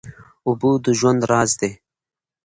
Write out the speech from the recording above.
اوبه د ژوند راز دی.